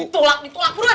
ditulak ditulak turun